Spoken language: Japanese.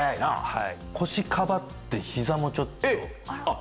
はい、腰かばってひざもちょえっ？